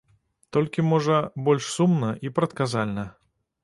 Толькі, можа, больш сумна і прадказальна.